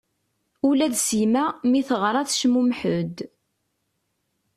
Ula d Sima mi i teɣra tecmumeḥ-d.